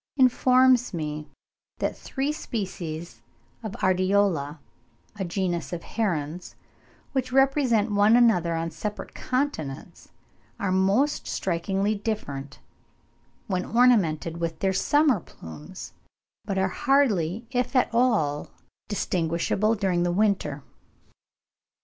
informs me that three species of Ardeola, a genus of herons, which represent one another on separate continents, are "most strikingly different" when ornamented with their summer plumes, but are hardly, if at all, distinguishable during the winter.